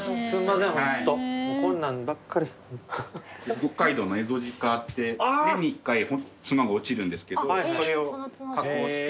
北海道のエゾジカって年に一回角が落ちるんですけどそれを加工して。